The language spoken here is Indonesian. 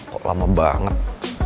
kok lama banget